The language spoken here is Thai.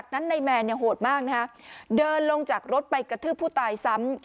นายแมนเนี่ยโหดมากนะฮะเดินลงจากรถไปกระทืบผู้ตายซ้ำ